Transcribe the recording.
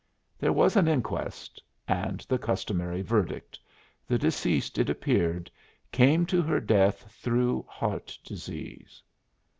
There was an inquest and the customary verdict: the deceased, it appeared, came to her death through "heart disease."